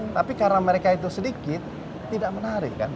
tapi karena mereka itu sedikit tidak menarik kan